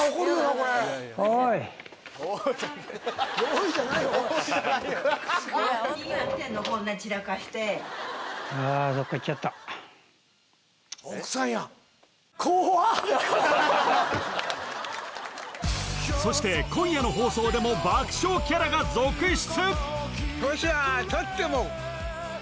これおーいそして今夜の放送でも爆笑キャラが続出